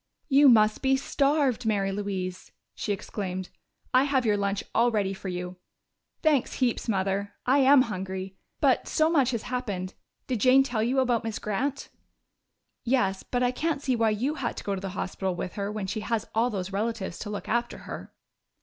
"You must be starved, Mary Louise!" she exclaimed. "I have your lunch all ready for you." "Thanks heaps, Mother I am hungry. But so much has happened. Did Jane tell you about Miss Grant?" "Yes. But I can't see why you had to go to the hospital with her when she has all those relatives to look after her."